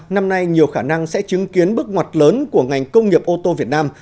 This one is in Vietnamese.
năm nay nhiều khả năng sẽ chứng kiến bước ngoặt lớn của ngành công nghiệp ô tô việt nam